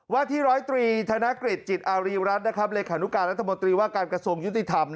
ว่าที่๑๐๓ธนกฤษจิตอารีรัตน์รัฐมนตรีว่าการกระทรวงยุติธรรม